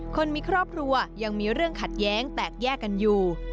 คนมีครอบครัวยังมีเรื่องขัดแย้งแตกแยกกันอยู่